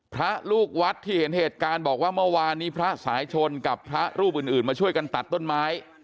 พระลูกวัดที่เห็นเหตุการณ์บอกว่าเมื่อวานนี้พระสายชนกับพระรูปอื่นมาช่วยกันตัดต้นไม้